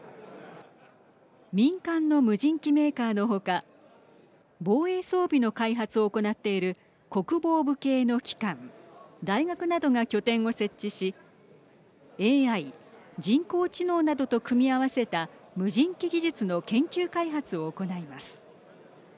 民間の無人機メーカーの他防衛装備の開発を行っている国防部系の機関大学などが拠点を設置しＡＩ＝人工知能などと組み合わせた無人機技術の研究開発を行います。